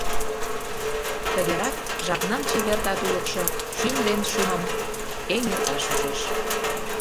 Тыгерак жапнан чевер татулыкшо Шӱм ден шӱмым эҥерташ ӱжеш.